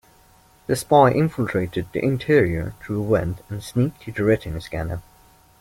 The spy infiltrated the interior through a vent and sneaked to the retina scanner.